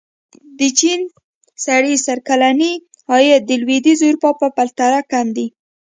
د چین سړي سر کلنی عاید د لوېدیځې اروپا په پرتله کم دی.